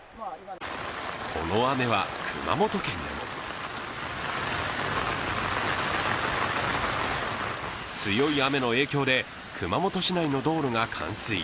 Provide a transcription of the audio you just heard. この雨は熊本県でも強い雨の影響で熊本市内の道路が冠水。